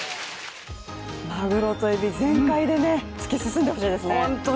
マグロとエビ全開で突き進んでほしいですね。